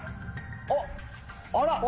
おっあら。